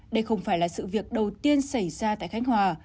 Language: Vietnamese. đây không phải là sự việc đầu tiên xảy ra tại khánh hòa